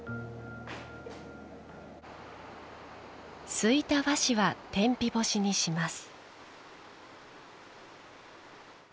すいた和紙は天日干しにします。